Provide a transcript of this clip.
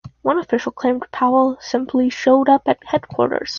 One official claimed Powell "simply showed up at headquarters".